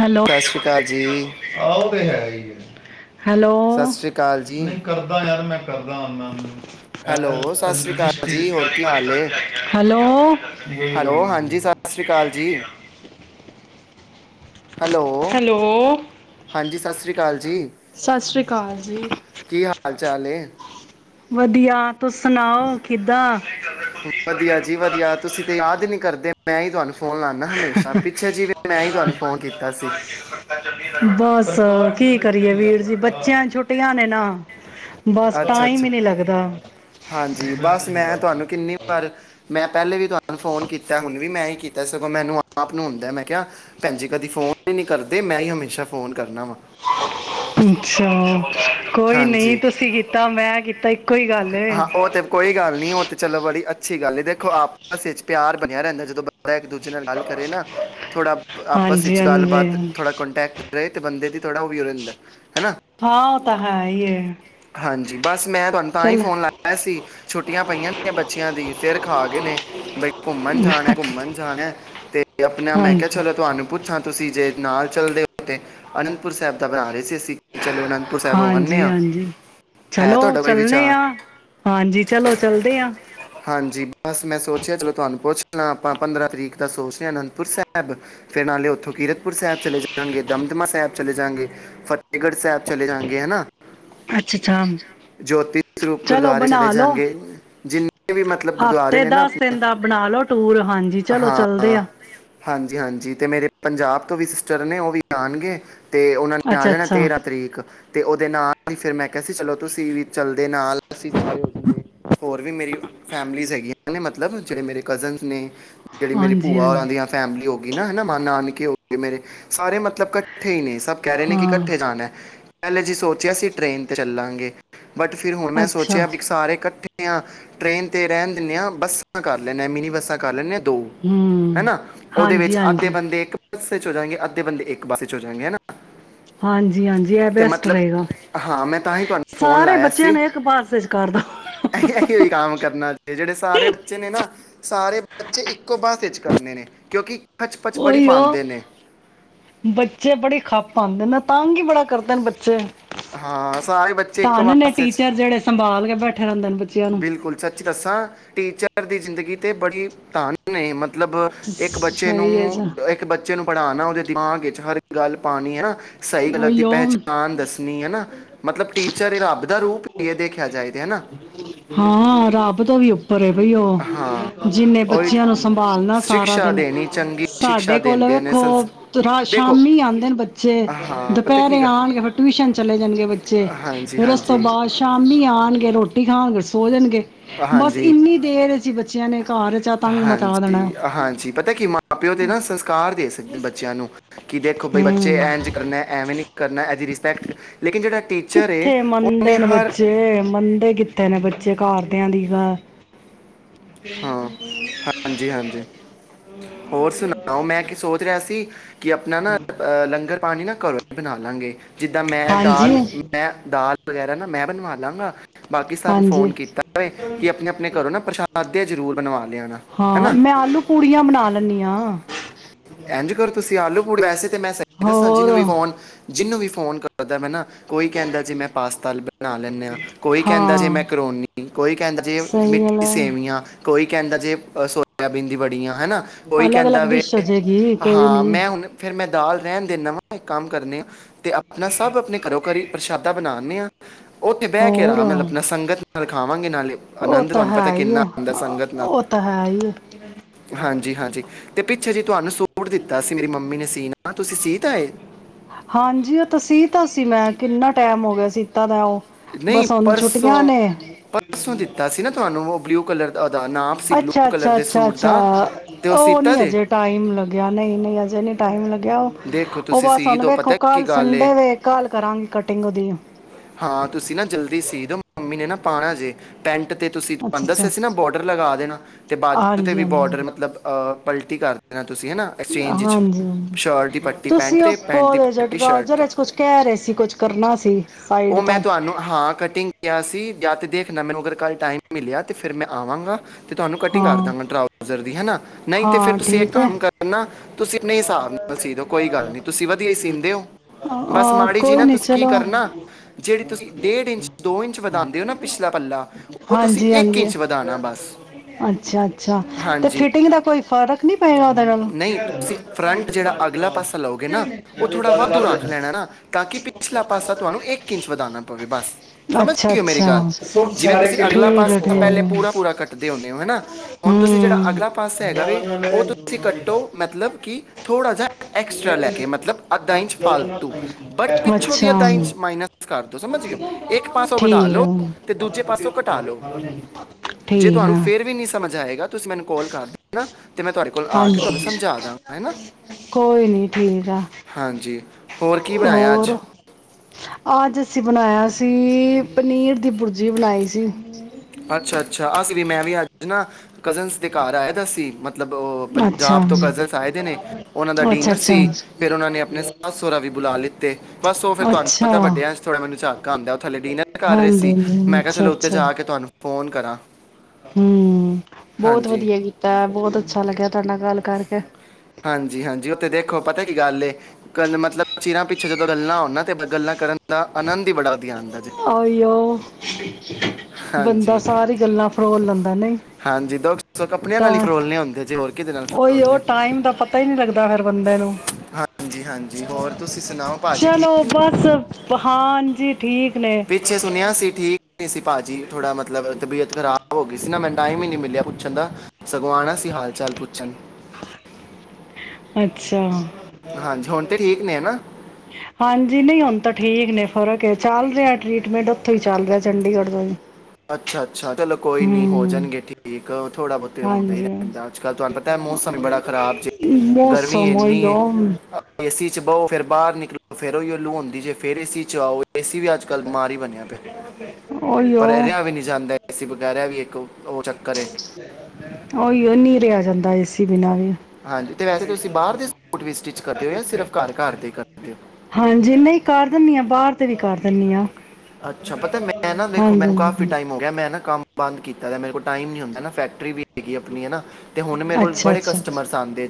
Hello. ਸਤਿ ਸ਼੍ਰੀ ਅਕਾਲ ਜੀ, [unintelligible] ਹੈਲੋ। ਸਤਿ [unintelligible] ਹੈਲੋ ਸ਼੍ਰੀ ਅਕਾਲ ਜੀ। ਹੈਲੋ, ਸਤਿ ਸ਼੍ਰੀ ਅਕਾਲ ਜੀ, ਹੋਰ ਕੀ ਹਾਲ ਏ? ਹੈਲੋ, ਹਾਂਜੀ ਸਤਿ ਸ਼੍ਰੀ ਅਕਾਲ ਜੀ। ਹੈਲੋ ਹਾਂਜੀ ਸਤਿ ਸ਼੍ਰੀ ਅਕਾਲ ਜੀ। ਸਤਿ ਸ਼੍ਰੀ ਅਕਾਲ ਜੀ ਐ। ਵਧੀਆ। ਸੁਣਾਓ ਕਿੱਦਾਂ ਵਧੀਆ ਜੀ, ਵਧੀਆ ਤੁਸੀਂ ਤੇ ਯਾਦ ਹੀ ਨੀ ਕਰਦੇ। ਮੈਂ ਹੀ ਤੁਹਾਨੂੰ ਫੋਨ ਲਾਨਾ ਹਮੇਸ਼ਾ, ਪਿੱਛੇ ਜੀ ਵੀ ਮੈਂ ਹੀ ਤੁਹਾਨੂੰ ਫੋਨ ਕੀਤਾ ਸੀ। ਬਸ ਕੀ ਕਰੀ ਵੀਰ ਜੀ ਬੱਚਿਆਂ ਨੂੰ ਛੁਟੀਆਂ ਨੇ ਨਾ ਬਸ ਟਾਈਮ ਅੱਛਾ-ਅੱਛਾ, ਹੀ ਨਹੀਂ ਲੱਗਦਾ ਹਾਂਜੀ ਬਸ ਮੈਂ ਤੁਹਾਨੂੰ ਕਿੰਨੀ ਵਾਰ ਮੈਂ ਪਹਿਲੇ ਵੀ ਤੁਹਾਨੂੰ ਫੋਨ ਕੀਤਾ, ਹੁਣ ਵੀ ਮੈਂ ਹੀ ਕੀਤਾ ਸਗੋਂ ਮੈਨੂੰ ਆਪ ਨੂੰ ਹੁੰਦਾ ਮੈਂ ਕਿਹਾ ਭੈਣਜੀ ਕਦੀ ਫੋਨ ਹੀ ਨਹੀਂ ਕਰਦੇ ਮੈਂ ਹੀ ਹਮੇਸ਼ਾ ਫੋਨ ਕਰਨਾ ਵਾਂ। ਅੱਛਾ। ਕੋਈ ਨਹੀਂ ਹਾਂਜੀ ਤੁਸੀਂ ਕੀਤਾ ਮੈਂ ਕੀਤਾ ਇੱਕੋ ਹੀ ਗੱਲ ਏ ਹਾਂ ਉਹ ਤੇ ਕੋਈ ਗੱਲ ਨੀ ਉਹ ਤੇ ਚਲੋ ਬੜੀ ਅੱਛੀ ਗੱਲ ਦੇਖੋ ਆਪਸ ਵਿੱਚ ਪਿਆਰ ਬਣਿਆ ਰਹਿੰਦਾ ਜਦੋਂ। ਸਾਰ ਇੱਕ ਦੂਜੇ ਨਾਲ ਗੱਲ ਕਰੇ ਨਾ ਥੋੜਾ ਆਪਸ ਹਾਂਜੀ ਵਿੱਚ ਗੱਲਬਾਤ ਹਾਂਜੀ ਥੋੜ੍ਹਾ ਕੋਂਟੈਕਟ ਕਰਹੇ ਤੇ ਬੰਦੇ ਦੀ ਥੋੜ੍ਹਾ ਉਹ ਵੀ ਰਿੰਦਾ ਹੈਨਾ। ਹਾਂ ਉਹ ਤਾਂ ਹੈ ਹੀ ਏ ਹਾਂਜੀ ਬਸ ਮੈਂ ਤੁਹਾਨੂੰ ਤਾਂ ਹੀ ਚਲ ਫੋਨ ਲਾਯਾ ਸੀ ਛੁੱਟੀਆਂ ਪਈਆਂ ਦੀਆਂ ਬੱਚਿਆਂ ਦੀ ਫਿਰ ਖਾ ਗਏ ਨੇ ਬੲ ਘੁੰਮਣ ਜਾਣਾ, ਘੁੰਮਣ ਜਾਣਾ ਤੇ ਆਪਣਾ ਮੈਂ ਕਿਹਾ ਹਾਂਜੀ ਚਲੋ ਤੁਹਾਨੂੰ ਪੁੱਛਾਂ ਤੁਸੀਂ ਜੇ ਨਾਲ ਚੱਲਦੇ ਹੋ ਤੇ ਅਨੰਦਪੁਰ ਸਾਹਿਬ ਦਾ ਬਣਾ ਅਸੀਂ ਚਲੋ ਅਨੰਦਪੁਰ ਸਾਹਿਬ ਹੋ ਆਣੇ ਹਾਂਜੀ ਆ। ਹਾਂਜੀ ਚਲੋ ਚੱਲਣੇ ਆ, ਹਾਂਜੀ ਚਲੋ ਚੱਲਦੇ ਆ। ਹਾਂਜੀ ਬਸ ਮੈਂ ਸੋਚਿਆ ਜਦੋਂ ਤੁਹਾਨੂੰ ਪੁੱਛ ਲਾਂ ਆਪਾਂ ਪੰਦਰਾਂ ਤਰੀਕ ਦਾ ਸੋਚ ਰਹੇ ਹਾਂ ਅਨੰਦਪੁਰ ਸਾਹਿਬ ਫਿਰ ਨਾਲੇ ਉੱਥੋਂ ਕੀਰਤਪੁਰ ਸਾਹਿਬ ਚਲੇ ਜਾਣਗੇ, ਦਮਦਮਾ ਸਾਹਿਬ ਚਲੇ ਜਾਣਗੇ, ਫਤਿਹਗੜ੍ਹ ਸਾਹਿਬ ਚਲੇ ਜਾਣਗੇ ਹੈ ਨਾ। ਅੱਛਾ ਅੱਛਾ ਜੋਤੀ ਸਰੂਪ ਚਲੋ ਗੁਰਦੁਆਰੇ ਚਲੇ ਬਣਾ ਲੋ ਜਾਗੇ ਜਿੰਨੇ ਵੀ ਮਤਲਬ ਗੁਰਦੁਆਰੇ ਹਫ਼ਤੇ ਨੇ ਨਾ ਦਸ ਦਿਨ ਦਾ ਬਣਾ ਲੋ ਟੂਰ ਹਾਂਜੀ ਚਲੋ ਹਾਂ ਚਲਦੇ ਆ ਹਾਂਜੀ-ਹਾਂਜੀ ਤੇ ਮੇਰੇ ਪੰਜਾਬ ਤੋਂ ਵੀ ਸਿਸਟਰ ਨੇ ਉਹ ਵੀ ਆਣਗੇ। ਤੇ ਉਹਨਾਂ ਨੇ ਆ ਅੱਛਾ ਜਾਣਾ ਅੱਛਾ ਤੇਰਾਂ ਤਰੀਕ ਤੇ ਉਹਦੇ ਨਾਲ ਫਿਰ ਮੈਂ ਚਲੋ ਤੁਸੀਂ ਵੀ ਚੱਲਦੇ ਨਾਲ ਸੀਂ ਚ ਹੋ ਜਾਦੇ ਹੋਰ ਵੀ ਮੇਰੀ ਫੈਮਲੀਜ਼ ਹੈਗੀਆਂ ਉਹ ਨੇ ਮਤਲਬ ਜਿਹੜੇ ਮੇਰੇ ਕਜ਼ਨਸ ਨੇ ਜਿਹੜੀ ਮੇਰੀ ਹਾਂਜੀ ਭੂਆ ਹਾਂਜੀ ਹੋਰਾਂ ਦੀਆਂ ਫੈਮਿਲੀ ਹੋ ਗ ਗੀ ਹੈਨਾ ਮ ਨਾਨਕੇ ਹੋ ਗਏ ਮੇਰੇ ਸਾਰੇ ਮਤਲਬ ਇਕੱਠੇ ਹੀ ਨੇ ਸਭ ਕਹਿ ਰਹੇ ਨੇ ਕਿ ਹਾਂ ਇਕੱਠੇ ਜਾਣਾ। ਪਹਿਲੇ ਜੀ ਸੋਚਿਆ ਸੀ ਟ੍ਰੇਨ ਤੇ ਚੱਲਾਂਗੇ ਬਟ ਫਿਰ ਹੁਣ ਮੈਂ ਅੱਛਾ ਸੋਚਿਆ ਵੀ ਸਾਰੇ ਇਕੱਠੇ ਟ੍ਰੇਨ ਤੇ ਰਹਿਣ ਦਿੰਦੇ ਹਾਂ ਬੱਸਾਂ ਕਰ ਲੈਂਦੇ ਹਾਂ ਮਿਨੀ ਬੱਸਾਂ ਕਰ ਲੈਂਦੇ ਹਾਂ। ਦੋ ਹਮ ਹੈਨਾ ਉਹਦੇ ਹਾਂਜੀ ਵਿੱਚ ਅੱਧੇ ਹਾਂਜੀ ਬੰਦੇ ਇੱਕ ਬੱਸੇ ਚ ਹੋ ਜਾਂਏਗੇ ਅਧੇ ਬੰਦੇ ਇੱਕ ਬੱਸੇ ਚ ਹੋ ਜਾਏਂਗੇ ਹੈਨਾ। ਹਾਂਜੀ ਹਾਂਜੀ ਇਹ ਬੈਸਟ ਰਹੇਗਾ ਹਾਂ ਮੈਂ ਤਾਂ ਹੀ ਤੁਹਾਨੂੰ ਫੋਨ ਸਾਰੇ ਲਾਇਆ ਬੱਚਿਆਂ ਸੀ ਨੂੰ ਇੱਕ ਪਾਸੇ ਚ ਕਰ ਦੋ ਇ ਕੰਮ ਕਰਨਾ ਜਿਹੜੇ ਸਾਰੇ ਬੱਚੇ ਨੇ ਨਾ ਸਾਰੇ ਬੱਚੇ ਇੱਕੋ ਬਾਸੇ ' ਕਰਨੇ ਨੇ ਕਿਉਂਕਿ ਖਚਪਚ ਬੜੀ ਉਹੀ ਪਾਉਂਦੇ ਉਹ ਨੇ ਬੱਚੇ ਬੜੀ ਖੱਪ ਆਉਂਦੇ ਨੇ ਤਾਂਗ ਹੀ ਬੜਾ ਕਰਦੇ ਨੇ ਬੱਚੇ ਹਾਂ ਸਾਰੇ ਬੱਚੇ ਇੱਕੋ ਧਨ ਨੇ ਬੱਸੇ ਚ ਟੀਚਰ ਜਿਹੜੇ ਸੰਭਾਲ ਕੇ ਬੈਠੇ ਰਹਿੰਦੇ ਨੇ ਬੱਚਿਆਂ ਨੂੰ ਬਿਲਕੁਲ ਸੱਚੀ ਦੱਸਾਂ ਟੀਚਰ ਰ ਦੀ ਜ਼ਿੰਦਗੀ ਤੇ ਬੜੀ ਤਾਨ ਮਤਲਬ ਇੱਕ ਬੱਚੇ ਨੂੰ ਸਹੀ ਹੈ ਜ ਇੱਕ ਬੱਚੇ ਨੂੰ ਪੜ੍ਹਾਉਣਾ ਦੇ ਦਿਮਾਗ ਵਿੱਚ ਹਰ ਇੱਕ ਗੱਲ ਪਾਣੀ ਹੈਾ ਸਹੀ ਗਲਤ ਦੀ ਉਹੀ ਉਹ ਪਹਿਚਾਣ ਦੱਸਣੀ ਹਨਾ ਮਤਲਬ ਟੀਚਰ ਰੱਬ ਦਾ ਰੂਪ ਦੇਖਿਆ ਜਾਏ ਹਨਾ ਹਾਂ ਰੱਬ ਤੋਂ ਵੀ ਉੱਪਰ ਬਈ ਉਹ ਹਾਂ ਜਿੰਨੇ ਔਰ ਇਹ ਬੱਚਿਆਂ ਨੂੰ ਸੰਭਾਲਣਾ ਸਾਰਾ ਸਿੱਖਿਆ ਦਿਨ ਦੇਣੀ ਚੰਗੀ ਸਿੱਖਿਆ ਸਾਡੇ ਕੋਲ ਦਿੰਦੇ ਨੇ ਸੰਸ ਵੇਖੋ ਦੇਖੋ ਸ਼ਾਮੀ ਆਉਂਦੇ ਨੇ ਬੱਚੇ ਹਾਂ ਪਤਾ ਕੀ ਦੁਪਹਿਰੇ ਗੱਲ ਆਉਣਗੇ ਫਿਰ ਟਿਊਸ਼ਨ ਚਲੇ ਜਾਣਗੇ ਬੱਚੇ ਹਾਂਜੀ ਫੇਰ ਉਸ ਤੋਂ ਹਾਂਜੀ ਬਾਅਦ ਸ਼ਾਮੀ ਆਉਣਗੇ ਰੋਟੀ ਗਰ ਸੋ ਜਣਗੇ। ਹਾਂਜੀ ਨੇ ਘਰ ਚ ਤੰਗ ਮਚਾ ਦੇਣਾ ਹਾਂਜੀ ਹਾਂਜੀ ਪਤਾ ਕੀ ਮਾਂ ਪਿਓ ਦੇ ਨਾ ਸੰਸਕਾਰ ਦੇ ਸਕਦੇ ਬੱਚਿਆਂ ਨੂੰ ਕਿ ਦੇਖੋ ਬਈ ਬੱਚੇ ਹਮ ਇਂਝ ਕਰਨਾ। ਐਵੇਂ ਨੀ ਕਰਨਾ ਐਦੀ ਰਿਸਪੈਕਟ ਲੇਕਿਨ ਜਿਹੜਾ ਟੀਚਰ ਏ ਕਿੱਥੇ ਉਹਨੇ ਮੰਨਦੇ ਨੇ ਹਰ ਬੱਚੇ ਮੰਨਦੇ ਕਿੱਥੇ ਨੇ ਬੱਚੇ ਘਰ ਵਡਿਆਂ ਦੀ ਗ ਹਾਂ ਹਾਂਜੀ ਹਾਂਜੀ ਹੋਰ ਸੁਣਾਓ ਮੈਂ ਕੀ ਸੋਚ ਰਿਹਾ ਸੀ। ਕੀ ਆਪਣਾ ਨਾ ਅ ਲੰਗਰ ਪਾਣੀ ਨਾ ਘਰੋਂ ਹੀ ਬਣਾ ਲਾਂਗੇ। ਜਿੱਦਾਂ ਮੈਂ ਹਾਂਜੀ ਦਾਲ ਮੈਂ ਦਾਲ ਵਗੈਰਾ ਨਾ ਮੈਂ ਬਣਵਾ ਲਾਂਗਾ। ਬਾਕੀ ਸਬ ਨੂੰ ਫੋਨ ਹਾਂਜੀ ਕੀਤਾ ਏ ਕਿ ਆਪਣੇ ਆਪਣੇ ਘਰੋਂ ਨਾ ਪ੍ਰਸ਼ਾ ਹਾਂ ਮੈਂ ਆਲੂ ਪੂੜੀਆਂ ਬਣਾ ਨੀਆਂ ਇੰਝ ਕਰੋ ਤੁਸੀਂ ਆਲੂ- ਪੂੜੀ ਵੈਸੇ ਤੈ ਮੈਂ ਸਹੀ ਦੱਸਾਂ ਹੋਰ ਜਿਨੂੰ ਵੀ ਫੋਨ ਜਿਹਨੂੰ ਵੀ ਫੋਨ ਕਰਦਾ ਮੈਂ ਨਾ ਕੋਈ ਕਹਿੰਦਾ ਜੇ ਮੈਂ ਪਾਸਤਾ ਬਣਾ ਲੈਂਨੇ ਹਾਂ ਕੋਈ ਕਹਿੰਦਾ ਜੇ ਹਾਂ ਮੈਕਰੋਨੀ ਕੋਈ ਕਹਿੰਦਾ ਜੇ ਸਹੀ ਗੱਲ ਮਿੱਠੀ ਹੈ ਸੇਵੀਆਂ। ਕੋਈ ਕਹਿੰਦਾ ਜੇ ਸੋਇਆਬੀਨ ਦੀ ਵੜੀਆਂ। ਹਨਾ ਕੋਈ ਕਹਿੰਦਾ ਵੇ ਜੇਗੀ ਏ ਕੋਈ ਹਾਂ ਨੀ ਮੈਂ ਹੁਣ ਫਿਰ ਮੈਂ ਦਾਲ ਰਹਿਣ ਦੇਨਾ ਵਾਂ ਇੱਕ ਕੰਮ ਕਰਨੇ ਆ। ਤੇ ਆਪਣਾ ਸਭ ਅਪਣੇ ਘਰੋਂ-ਘਰੀ ਪ੍ਰਸ਼ਾਦਾ ਬਣਾਨੇ ਹਾਂ। ਓਥੇ ਬਹਿ ਕੇ ਹੋਰ ਆਰਾਮ ਨਾਲ ਆਪਣਾ ਸੰਗਤ ਰਲ ਖਾ ਵਾਂਗੇ ਨਾਲੇ ਉਹ ਆਨੰਦ ਤਾਂ ਤੁਹਾਨੂੰ ਪਤਾ ਹੈ ਹੀ ਕਿੰਨਾ ਹੈ ਆਂਦਾ ਸੰਗਤ ਨਾਲ ਉਹ ਤਾਂ ਹੈ ਹੀ ਹੈ ਹਾਂਜੀ-ਹਾਂਜੀ ਤੇ ਪਿ ਅੱਛਾ ਜੀ ਤੁਹਾਨੂੰ ਸੂਟ ਦਿੱਤਾ ਸੀ ਮੇਰੀ ਮੰਮੀ ਨੇ ਸ ਹਾਂਜੀ ਉਹ ਤਾ ਸੀ ਤਾਂ ਸੀ ਮੈਂ ਕਿੰਨਾ ਟਾਈਮ ਹੋ ਗਿਆ ਸੀ ਤਾ ਦਾ ਉਹ। ਨਹੀਂ ਬਸ ਹੁਣ ਛੁੱਟੀਆਂ ਨੇ ਪਰਸੋਂ-ਪਰਸੋਂ ਦਿੱਤਾ ਸੀ ਨਾ ਤੁਹਾਨੂੰ ਬਲੂ ਕਲਰ ਦਾ ਉਹਦਾ ਨਾਪ ਸੀ ਬਲੂ ਅੱਛਾ- ਕਲਰ ਦੇ ਸੂਟ ਦਾ ਤੇ ਅੱਛਾ-ਅੱਛਾ-ਅੱਛਾ ਉਹ ਸੀਤਾ ਨੀ ਜੇ ਅਜੇ ਟਾਈਮ ਲੱਗਿਆ ਨਹੀਂ-ਨਹੀਂ ਅਜੇ ਨਹੀਂ ਟਾਈਮ ਲਗਿਆ। ਦੇਖੋ ਉਹ ਤੁਸੀਂ ਬਸ ਸੀ ਹੁਣ ਦੋ ਵੇਖੋ ਪਤਾ ਕੀ ਕਲ ਗੱਲ ਏ ਸੰਡੇ ਵੇ ਕਲ ਕਰਾਂਗੀ ਕਟਿੰਗ ਉਹਦੀ ਹਾਂ ਤੁਸੀਂ ਨਾ ਜਲਦੀ ਸੀਦੋ ਮੰਮੀ ਨੇ ਨਾ ਪਾਣਾ ਜੇ ਪੈਂਨਟ 'ਤੇ ਤੁਸੀਂ ਤੁਹਾਨੂੰ ਅੱਛਾ ਦੱਸਿਆ ਅੱਛਾ ਸੀ ਨਾ ਬੋਡਰ ਲਗਾ ਦੇਣਾ ਅਤੇ ਬਾਜੂ 'ਤੇ ਹਾਂਜੀ ਵੀ ਹਾਂਜੀ ਬੋਡਰ ਮਤਲਬ ਪਲਟੀ ਕਰਦੇ ਨਾ ਐਕਸਚੇਂਜ ਵਿੱਚ ਹਾਂਜੀ ਸ਼ਰਟ ਦੀ ਹ ਪੱਟੀ ਤੁਸੀਂ ਪੈਂਟ ਉਹ ਤੇ ਪੋ ਪੈਂਟ ਦੀ ਪੱਟੀ ਸ਼ਰਟ ਤੇ ਟਾਉਜਰ ਚ ਕੁਛ ਕਹਿ ਰਹੇ ਸੀ ਕੁੱਛ ਕਰਨਾ ਸੀ ਸਾਈਡ ਉਹ ਮੈਂ ਤੋਂ ਤੁਹਾਨੂੰ ਹਾਂ ਕਟਿੰਗ ਕਿਹਾ ਸੀ ਜਾਂ ਤੇ ਦੇਖਣਾ ਮੈਨੂੰ ਅਗਰ ਕੱਲ ਟਾਈਮ ਮਿਲਿਆ ਤੇ ਫੇਰ ਮੈਂ ਆਵਾਂਗਾ ਤੇ ਤੁਹਾਨੂੰ ਕਟਿੰਗ ਕਰ ਹਾਂ ਦਾਂਗਾ ਟਾਊਜਰ ਦੀ ਹੈ ਨਾ ਨਹੀਂ ਤੇ ਫੇਰ ਹਾਂ ਤੁਸੀਂ ਇੱਕ ਠੀਕ ਹੈ ਕੰਮ ਕਰਨਾ ਤੁਸੀਂ ਨਹੀਂ ਹਿਸਾਬ ਨਾਲ ਸੀਦੋ ਕੋਈ ਗੱਲ ਨਹੀਂ ਤੁਸੀਂ ਵਧੀਆ ਹੀ ਸੀਂਦੇ ਹੋ ਬਸ ਅ ਮਾੜੀ ਜੀ ਕੋਈ ਨਾ ਨੀ ਤੁਸੀਂ ਕੀ ਚਲੋ ਕਰਨਾ ਜਿਹੜੀ ਤੁਸੀਂ ਡੇਢ ਇੰਚ ਦੋ ਇੰਚ ਵਧਾਉਂਦੇ ਹੋ ਨਾ ਪਿਛਲਾ ਪੱਲਾ ਉਹ ਤੁਸੀਂ ਹਾਂਜੀ ਇੱਕ ਹਾਂਜੀ ਇੰਚ ਵਧਾਉਣਾ ਬਸ ਅੱਛਾ ਅੱਛਾ ਤੇ ਹਾਂਜੀ। ਫਿਟਿੰਗ ਦਾ ਕੋਈ ਫ਼ਰਕ ਨਹੀਂ ਤੁਸੀਂ [unintelligible] ਫਰੰਟ ਜਿਹੜਾ ਅਗਲਾ ਪਾਸਾ ਲਓਗੇ ਨਾ ਉਹ ਥੋੜਾ ਵਾਧੂ ਰੱਖ ਲੈਣਾ ਨਾ ਤਾਂ ਕਿ ਪਿਛਲਾ ਪਾਸਾ ਤੁਹਾਨੂੰ ਇੱਕ ਇੰਚ ਵਧਾਣਾ ਪਵੇ ਬਸ ਸਮਝ ਅੱਛਾ ਗਏ ਮੇਰੀ ਅੱਛਾ ਗੱਲ ਜਿਵੇਂ ਤੁਸੀਂ ਅਗਲਾ ਠੀਕ ਹੈ ਠੀਕ ਪਾਸਾ ਹੈ ਪਹਿਲੇ ਪੂਰਾ ਪੂਰਾ ਕੱਟਦੇ ਹੁੰਦੇ ਹੋ ਹਨਾ ਹੁਣ ਤੁਸੀਂ ਜਿਹੜਾ ਅਗਲਾ ਪਾਸਾ ਹੈਗਾ ਵੇ ਉਹ ਤੁਸੀ ਕੱਟੋ ਮਤਲਬ ਕੀ- ਐਕਸਟਰਾ ਲੈ ਕੇ ਮਤਲਬ ਅੱਧਾ ਇੰਚ ਫਾਲਤੂ ਬਟ ਹਮ ਪਿੱਛੋਂ ਦੀ ਅੱਛਾ ਅੱਧਾ ਇੰਚ ਮਾਈਨਸ ਕਰਦੋ ਸਮਝ ਗਏ ਹੋ, ਇੱਕ ਪਾਸੋਂ ਵਧਾ ਠੀਕ ਲੋ, ਆ ਤੇ ਦੂਜੇ ਪਾਸੋਂ ਘਟਾ ਲੋ, ਜੇ ਠੀਕ ਤੁਹਾਨੂੰ ਆ ਫੇਰ ਵੀ ਨੀ ਸਮਝ ਆਏਗਾ ਤੁਸੀਂ ਮੈਨੂੰ ਕੋਲ ਕਰ ਦੇ ਨਾ, ਤੇ ਮੈਂ ਤੁਹਾਡੇ ਕੋਲ ਆ ਕੇ ਤੁਹਾਨੂੰ ਹਾਂਜੀ, ਸਮਝਾ ਦਾਂਗਾ ਹੈ ਨਾ ਕੋਈ ਨੀ ਠੀਕ ਆ, ਹਾਂਜੀ ਹੋਰ ਕੀ ਬਣਾਇਆ ਅੱਜ ਹੋਰ ਅੱਜ ਅਸੀਂ ਬਣਾ ਬਣਾਇਆ ਸੀ, ਪਨੀਰ ਦੀ ਭੁਰਜੀ ਬਣਾਈ ਸੀ। ਅੱਛਾ ਅੱਛਾ ਅਸੀਂ ਵੀ ਮੈਂ ਵੀ ਅੱਜ ਨਾ ਕਜ਼ਨਸ ਦੇ ਘਰ ਆਏ ਦ ਅਸੀਂ। ਮਤਲਬ ਉਹ ਪੰਜਾਬ ਅੱਛਾ, ਤੋਂ ਕਜ਼ਨਸ ਆਏ ਦੇ ਨੇ, ਉਹਨਾਂ ਦਾ ਅੱਛਾ, ਡਿਨਰ ਅੱਛਾ, ਸੀ, ਫਿਰ ਉਹਨਾਂ ਨੇ ਆਪਣੇ ਸੱਸ ਸਹੁਰਾ ਵੀ ਬੁਲਾ ਲਿੱਤੇ ਬਸ, ਉਹ ਫਿਰ ਤੁਹਾਨੂੰ ਅੱਛਾ। ਪਤਾ ਵੱਡਿਆਂ ਚ ਥੋੜ੍ਹਾ ਮੈਨੂੰ ਝਾਕਾ ਆਉਂਦਾ, ਉਹ ਥੱਲੇ ਡਿਨਰ ਕਰ ਰਹੇ ਹਾਂਜੀ, ਸੀ, ਹਾਂਜੀ, ਮੈਂ ਕਿਹਾ ਚਲੋ ਉੱਥੇ ਜਾ ਕੇ ਤੁਹਾਨੂੰ ਫ਼ੋਨ ਕਰਾਂ। ਹਮ, ਬਹੁਤ ਹਾਂਜੀ ਵਧੀਆ ਕੀਤਾ, ਬਹੁਤ ਅੱਛਾ ਲੱਗਿਆ ਤੁਹਾਡੇ ਨਾਲ ਗੱਲ ਕਰਕੇ। ਹਾਂਜੀ, ਹਾਂਜੀ, ਉੱਥੇ ਦੇਖੋ ਪਤਾ ਕੀ ਗੱਲ ਏ ਗੱਲ ਮਤਲਬ ਚਿਰਾਂ ਪਿੱਛੇ ਜਦੋਂ ਗੱਲਾਂ ਹੋਣ, ਤੇ ਗੱਲਾਂ ਕਰਨ ਦਾ ਆਨੰਦ ਹੀ ਬੜਾ ਵਧੀਆ। ਜੇ। ਆਈਓ ਬੰਦਾ। ਹਾਂਜੀ, ਸਾਰੀ ਗੱਲਾਂ ਫਰੋਲ ਲੈਂਦਾ ਨਹੀਂ, ਹਾਂਜੀ ਦੁੱਖ ਸੁੱਖ ਉਹੀ ਆਪਣਿਆਂ ਨਾਲ ਹੀ ਤਾ ਫਰੋਲਨੇ ਹੁੰਦੇ ਜੇ ਹੋਰ ਕਿਹਦੇ ਨਾਲ ਉਹ ਫਰੋਲਨੇ। ਟਾਈਮ ਦਾ ਪਤਾ ਹੀ ਨਹੀਂ ਲੱਗਦਾ, ਫਿਰ ਬੰਦੇ ਨੂੰ ਹਾਂਜੀ, ਹਾਂਜੀ ਹੋਰ ਤੁਸੀਂ ਸੁਣਾਓ ਭਾਜੀ ਠੀਕ? ਚਲੋ ਬਸ। ਹਾਂਜੀ, ਠੀਕ। ਨੇ ਪਿੱਛੇ ਸੁਣਿਆ ਸੀ, ਠੀਕ ਨਹੀਂ ਸੀ‌। ਭਾਜੀ, ਥੋੜਾ ਮਤਲਬ ਤਬੀਅਤ ਖਰਾਬ ਹੋ ਗਈ ਸੀ ਨਾ। ਮੈਨੂੰ ਟਾਈਮ ਹੀ ਨੀ ਮਿਲ ਪੁੱਛਣ ਦਾ। ਸਗੋਂ ਆਣਾ ਸੀ ਹਾਲ ਚਾਲ ਪੁੱਛਣ। ਅੱਛਾ, ਹਾਂਜੀ, ਹੁਣ ਤੇ ਠੀਕ ਨੇ ਨਾ? ਹਾਂਜੀ। ਨਹੀਂ ਹੁਣ ਤਾਂ ਠੀਕ ਨੇ। ਫ਼ਰਕ ਏ ਚੱਲ ਰਿਹਾ ਟ੍ਰੀਟਮੈਂਟ ਉੱਥੋਂ ਹੀ ਚੱਲ ਰਿਹਾ, ਚੰਡੀਗੜ੍ਹ ਤੋਂ ਹੀ। ਅੱਛਾ। ਅੱਛਾ, ਚਲੋ ਕੋਈ ਨੀ ਹੋ ਹੂੰ ਜਾਣਗੇ ਠੀਕ ਥੋੜਾ ਬਹੁਤ ਹਾਂਜੀ, ਹੀ ਬੜਾ ਖਰਾਬ ਜੇ ਮੌਸਮ ਹੋਈ ਆ। ਬਹੁੋ ਫਿਰਰ ਬਾਹਰ ਨਿਕਲੋ ਫਿਰ ਉਈ ਲੂ ਹੁੰਦੀ ਜੇ, ਫੇਰ ਇਸੀ ਚ ਆਓ। ਏਸੀ ਵੀ ਅੱਜ ਕੱਲ ਬਿਮਾਰ ਹੀ ਬਣਿਆ ਪਿਆ। ਉਹੀਓ ਪਰ ਐ ਰਿਹਾ ਵੀ ਨਹੀਂ ਜਾਂਦਾ ਏਸੀ ਬ [unintelligible] ਉਹੀ ਉਹ ਨੀ ਰਿਹਾ। ਜਾਂਦਾ ਏ ਸੀ ਬਿਨਾਂ ਵੀ। ਹਾਂਜੀ ਤੇ ਵੈਸੇ ਤੁਸੀਂ ਬਾਹਰ ਦੇ ਸੂਟ ਵੀ ਸਟਿਚ ਕਰਦੇ ਹੋ ਜਾਂ ਸਿਰਫ ਘਰ ਘਰ ਦੇ ਹੀ ਕਰਦੇ ਹੋ ਹਾਂਜੀ, ਨਹੀਂ ਕਰ ਦਿੰਨੀ ਹੈ ਬਾਹਰ ਤੇ ਵੀ ਕਰ ਧਨੀਆਂ। ਅੱਛਾ, ਪਤਾ ਮੈਂ ਨਾ ਦੇਖੋ ਮੈਨੂੰ ਕਾਫੀ ਹਾਂਜੀ ਟਾਈਮ ਹੋ ਗਿਆ ਮੈਂ ਨਾ ਕੰਮ ਬੰਦ ਕੀਤਾ ਦਾ। ਮੇਰੇ ਕੋਲ ਟਾਈਮ ਨਹੀਂ ਹੁੰਦਾ ਨਾ ਫੈਕ ਵੀ ਹੈਗੀ ਆਪਨੀ ਹਨਾਂ। ਤੇ ਹੁਣ ਮੇਰੇ ਕੋਲ ਅੱਛਾ ਬੜੇ ਅੱਛਾ ਕਸਟਮਰ ਆਂਦੇ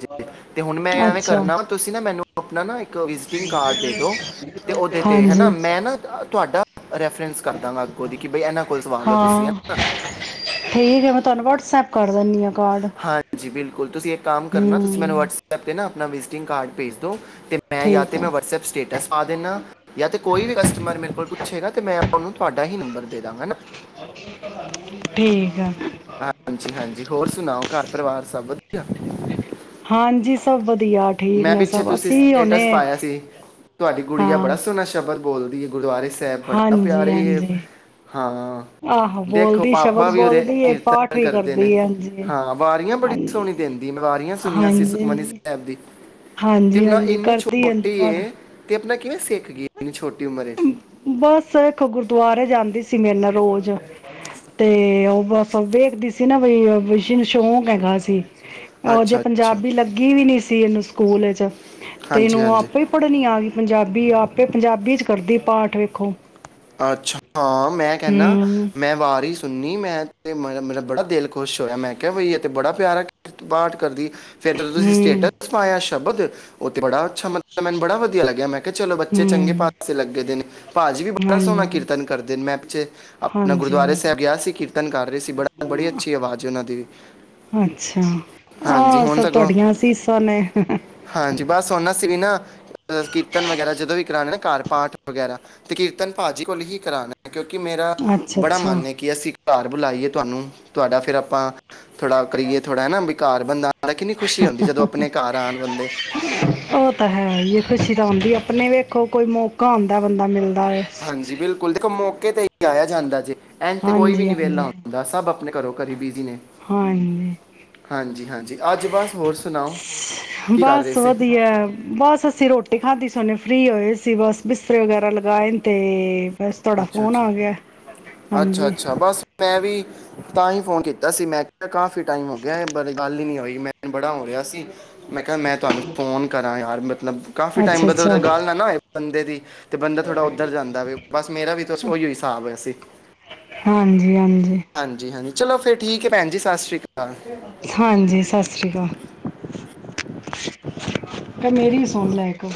ਤੇ ਹੁਣ ਮੈਂ ਐਵੇਂ ਅੱਛਾ ਕਰਨਾ ਤੁਸੀਂ ਨਾ ਮੈਨੂੰ ਆਪਣਾ ਨਾ ਵਿਜਟਿੰਗ ਕਾਰਡ ਦੇ ਦੋ, ਤੇ ਉਹਦੇ ਤੇ ਹਾਂਜੀ ਹਨਾ ਮੈਂ ਨਾ ਤੁਹਾਡਾ ਰੈਫਰੈਂਸ ਕਰ ਦਾਂਗਾ ਅੱਗੋਂ ਦੀ ਕਿ ਬਈ ਇਹਨਾਂ ਕੋਲ ਸਵਾਲ ਲਓ ਤੁਸੀਂ ਹੈ ਹਾਂ, ਨਾ ਠੀਕ ਹੈ। ਮੈਂ ਤੁਹਾਨੂੰ ਵਟਸਐਪ ਕਰ ਦਿੰਦੀ ਹਾਂ। ਕਾਰਡ ਹਾਂਜੀ, ਬਿਲਕੁਲ। ਕੋਲ ਤੁਸੀਂ ਕੰਮ ਕਰਨਾ। ਤੁਸੀਂ ਮੈਨੂੰ ਹੂੰ ਵਟਸਐਪ 'ਤੇ ਨਾ ਆਪਣਾ ਵਿਜ਼ਿਟਿੰਗ ਕਾਰਡ ਭੇਜ ਦੋ। ਤੇ ਮੈਂ ਜਾਂ ਠੀਕ ਤੇ ਆ ਮੈਂ ਵਟਸਐਪ ਸਟੇਟਸ ਪਾ ਦਿੰਨਾ ਜਾਂ ਤੇ ਕੋਈ ਵੀ ਕਸਟਮਰ ਮੇਰੇ ਕੋਲ ਕੁੱਛ ਹੈਗਾ ਤੇ ਮੈਂ ਓਨੂੰ ਤੁਹਾਡਾ ਹੀ ਨੰਬਰ ਦੇ ਦਾਂਗਾ ਨਾ। ਠੀਕ ਆ। ਹਾਂਜੀ, ਹਾਂਜੀ ਹੋਰ ਸੁਣਾਓ ਘਰ ਪਰਿਵਾਰ ਸਭ। ਹਾਂਜੀ ਸਭ ਵਧੀਆ ਠੀਕ ਮੈਂ ਨੇ ਪਿੱਛੇ ਸਭ ਤੁਸੀਂ ਅਸੀਂ ਹੁਣੇ ਸਟੇਟਸ ਪਾਇਆ ਸੀ ਤੁਹਾਡੀ ਕੁੜੀ ਦਾ ਹਾਂ ਬੜਾ ਸੋਹਣਾ ਸ਼ਬਦ ਬੋਲਦੀ ਹੈ ਗੁਰਦੁਆਰੇ। ਸਹਿਬ ਬੜਾ ਹਾਂਜੀ ਪਿਆਰੇ ਹੀ ਹੈ। ਹਾਂਜੀ ਹਾਂ ਆਹੋ ਦੇਖੋ ਬੋਲਦੀ ਸ਼ਬਦ ਪਾਪਾ ਵੀ ਬੋਲਦੀ ਹੈ ਉਹਦੇ ਪਾਠ ਵੀ ਕਰਦੇ ਨੇ ਕਰਦੀ ਹੈ ਹਾਂਜੀ ਹਾਂ ਵਾਰੀਆਂ ਬੜੀ ਹਾਂਜੀ ਸੋਣੀ ਦੇੰਦੀ ਏ ਮੈਂ ਵਾਰੀਆਂ ਸੁਣੀਆਂ ਸੀ ਹਾਂਜੀ ਸੁਖਮਨੀ ਹਾਂਜੀ ਸੈਬ ਦੀ ਤੇ ਹਾਂਜੀ ਨਾ ਹਾਂਜੀ ਇਨੀ ਕਰਦੀ ਛੋਟੀ ਹਾਂਜੀ ਪਾਠ ਏ ਤੇ ਅਪਣਾ ਕਿਵੇਂ ਸੇੱਖ ਗੀ ਏ, ਇਨੀ ਛੋਟੀ ਉਮਰੇ ਬਸ ਏਕ ਗੁਰਦੁਆਰੇ ਜਾਂਦੀ ਸੀ ਮੇਰੇ ਨਾਲ ਰੋਜ਼ ਤੇ ਔ ਬਸ ਵੇਖਦੀ ਸੀ ਨਾ ਬਈ ਸਿ਼ਨ ਸ਼ੌਕ ਹੈਗਾ ਸੀ। ਔ ਅਜੇ ਅੱਛਾ ਅੱਛਾ ਪੰਜਾਬੀ ਲੱਗੀ ਵੀ ਨੀ ਸੀ ਏਨੂੰ ਸਕੂਲ ਚ ਤੇ ਹਾਂਜੀ ਏਨੂੰ ਹਾਂਜੀ ਆਪੇ ਈ ਪੜ੍ਹਨੀ ਆ ਗੀ ਪੰਜਾਬੀ ਆਪੇ ਪੰਜਾਬੀ ਚ ਕਰਦੀ ਏ ਪਾਠ ਵੇਖੋ। ਅੱਛਾ ਹਾਂ ਮੈਂ ਕੈਣਾ ਹਮ ਮੈਂ ਵਾਰੀ ਸੁ ਸੁਨੀ ਮੈਂ ਤੇ ਮੇਰ ਮੇਰਾ ਬੜਾ ਦੇਲ ਖੋਸ਼ ਹੋਯਾ ਮੈਂ ਕਿਆ ਬਈ ਐ ਤੇ ਬੜਾ ਪਿਆਰਾ ਕਿਰ ਪਾਠ ਕਰਦੀ ਏ। ਫੇਰ ਜਦੋ ਤੁਸੀਂ ਹੂੰ, ਸਟੇਟਸ ਪਾਯਾ ਸ਼ਬਦ ਔ ਤੇ ਬੜਾ ਅੱਛਾ ਮਲਬ ਮੈਨੂੰ ਬੜਾ ਵਧੀਆ ਲੱਗਿਆ, ਮੈਂ ਕਿਆ ਚਲੋ ਬੱਚੇ ਚੰਗੇ ਹੂੰ, ਪਾਸੇ ਲੱਗੇ ਦੇ ਨੇ। ਪਾਜ ਬੜਾ ਸੋਣਾ ਹਾਂਜੀ, ਕੀਰਤਨ ਕਰਦੇ ਨੇ ਮੈਂ ਪਿੱਛੇ ਅਪਣਾ ਹਾਂਜੀ, ਗੁਰਦੁਆਰੇ ਹਾਂਜੀ। ਸੈਬ ਗਿਆ ਸੀ ਕੀਰਤਨ ਕਰ ਰਹੇ ਸੀ ਬੜਾ ਬੜੀ ਅੱਛੀ ਆਵਾਜ਼ ਓਨਾਂ ਦੀ ਵੀ। ਅੱਛਾ ਹਾਂਜੀ ਆਹ ਹੁਣ ਸਭ ਸਗੋਂ ਤੁਹੈਡੀਆਂ ਅਸੀਸਾਂ ਨੇ। ਹਾਂਜੀ ਬਸ ਹੋਣ ਅਸੀ ਵੀ ਨਾ ਕੀਰਤਨ ਵਗੈਰਾ ਜਦੋਂ ਵੀ ਕਰਾਣੈ ਨਾ ਘਰ ਪਾਠ ਵਗੈਰਾ ਤੇ ਕੀਰਤ ਤਨ ਭਾਜੀ ਕੋਲ ਹੀ ਕਰਾਨੈ। ਕਿਉਂਕਿ ਮੇਰਾ ਅੱਛਾ, ਬੜਾ ਅੱਛਾ ਮਨ ਏ ਕਿ ਅਸੀਂ ਘਰ ਬੁਲਾਈਏ ਤੁਵਾਨੂੰ ਤੁਵਾਡਾ ਫੇਰ ਆਪਾਂ ਥੋੜਾ ਕਰੀਏ ਥੋੜਾ ਹੈ ਨਾ। ਘਾਰ ਬੰਦਾ ਆਉਂਦਾ ਕਿੰਨੀ ਖੁਸ਼ੀ ਹੁੰਦੀ ਜਦੋਂ ਆਪਣੇ ਘਰ ਆਣ ਬੰਦੇ ਔ ਤਾਂ ਹੈ ਹੀ ਏ ਖੁਸ਼ ਤੀ ਜਾਂਦੀ ਅਪਣੇ ਵੇਖੋ ਕੋਈ ਮੌਕਾ ਹੋੰਦੈ ਬੰਦਾ ਮਿਲਦ ਹਾਂਜੀ ਬਿਲਕੁਲ, ਦੇਖੋ ਮੌ ਕੇ ਤੇ ਈ ਆਯਾ ਜਾਂਦਾ ਜੇ। ਐੰਜ ਤੇ ਕੋਈ ਵੀ ਹਾਂਜੀ, ਨੀ ਵੇਲਾ ਹਾਂਜੀ, ਹੁੰਦਾ ਸਭ ਅਪ ਅਪਣੇ ਘਰੋ ਘਰੀ ਬਿਜੀ ਨੇ, ਹਾਂਜੀ। ਹਾਂਜੀ ਹਾਂਜੀ ਅੱਜ ਬਸ ਹੋਰ ਸੁਣਾਓ ਕੀ ਕਰ ਰੇ ਬਸ ਸੀ? ਵਧੀਆ ਬਸ ਅਸੀਂ ਰੋਟੀ ਖਾਂਧੀ ਸੀ, ਹੋਣੇ ਫਰੀ ਹੋਏ ਸੀ ਬਸ ਬਿਸਤਰੇ ਵਗੈਰਾ ਲਗਾਏ ਨ ਤੇ ਬਸ ਤੁਹਾਡਾ ਅੱਛਾ ਫੋਨ ਅੱਛਾ ਆ ਗਿਆ। ਅੱਛਾ ਹਾਂਜੀ, ਅੱਛਾ ਬਸ ਮੈਂ ਵੀ ਤਾਂ ਹੀ ਫੋਨ ਕੀਤਾ ਸੀ, ਮੈਕਾ ਕਾਫੀ ਟ ਟਾਈਮ ਹੋ ਗਿਐ ਬਰੇ ਗੱਲ ਹੀ ਨੀ ਹੋਈ। ਮੈਂ [inaudible] ਬੜਾ ਹੋ ਰਿਆ ਸੀ ਮੈਂ ਕਿਆ ਮੈਂ ਤਵੈਨੂੰ ਫੋਨ ਕਰਾਂ ਯਾਰ। ਮਤ ਕਾਫੀ ਟਾਈਮ ਅੱਛਾ, ਬਦਲ ਅੱਛਾ, ਗੱਲ ਨਾ ਹੋੲਏ ਬੰਦੇ ਦੀ ਤੇ ਬੰਦਾ ਥੋਰਾ ਉਧਰ ਜਾਂਦਾ ਏ ਮੇਰਾ ਵੀ ਬਸ ਉਹੀ ਹਿਸਾਬ ਹੈ ਸੀ ਹਾਂਜੀ, ਹਾਂਜੀ। ਹਾਂਜੀ ਚਲੋ ਠੀਕ ਆ ਫਿਰ ਭੈਣ ਜੀ ਸਤਿ ਸ੍ਰੀ ਅਕਾਲ ਹਾਂਜੀ ਸਤਿ ਸ੍ਰੀ ਅਕਾਲ ਲੈ ਮੇਰੀ ਸੁਣ ਲੈ ਇੱਕ